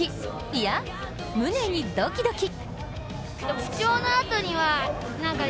いや、ムネにドキドキ。